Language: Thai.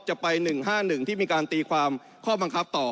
ไป๑๕๑ที่มีการตีความข้อบังคับต่อ